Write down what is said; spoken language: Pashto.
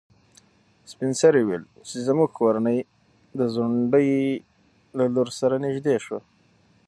سپین سرې وویل چې زموږ کورنۍ د ځونډي له لور سره نږدې شوه.